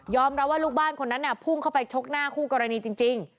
รับว่าลูกบ้านคนนั้นพุ่งเข้าไปชกหน้าคู่กรณีจริง